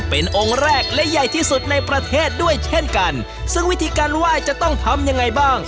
เป็นองค์แรกและใหญ่ที่สุดในประเทศด้วยเช่นกันซึ่งวิธีการไหว้จะต้องทำยังไงบ้าง